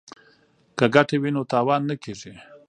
که ګټه وي نو تاوان نه کیږي.